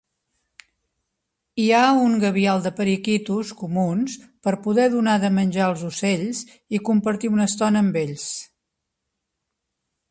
Hi ha un gabial de periquitos comuns por poder donar de menjar als ocells i compartir una estona amb ells.